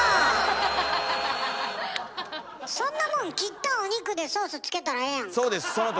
そんなもん切ったお肉でソースつけたらええやんか。